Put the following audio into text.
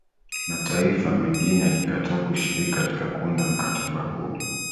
mataifa mengine yalikataa kushiriki katika kuunda mkataba huo